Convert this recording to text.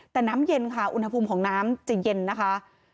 แต่น้ำเย็นค่ะอุณหภูมิของน้ำจะเย็นนะคะ